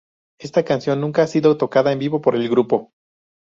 Esta canción nunca ha sido tocada en vivo por el grupo.